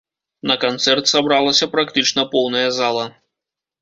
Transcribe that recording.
На канцэрт сабралася практычна поўная зала.